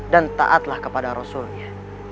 dan taatlah kepada rasulnya